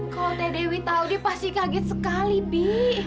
kalau teh dewi tahu dia pasti kaget sekali bi